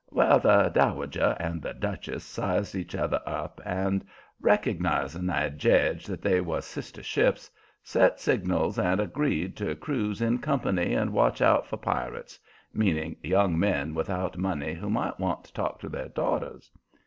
Well, the Dowager and the Duchess sized each other up, and, recognizing I jedge, that they was sister ships, set signals and agreed to cruise in company and watch out for pirates meaning young men without money who might want to talk to their daughters.